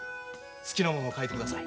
好きなものを描いて下さい。